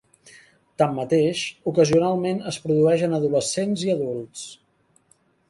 Tanmateix, ocasionalment es produeix en adolescents i adults.